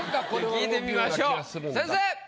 聞いてみましょう先生！